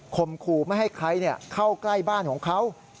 มคูไม่ให้ใครเข้าใกล้บ้านของเขา